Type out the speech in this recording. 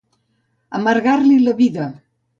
Amargar-li la vida.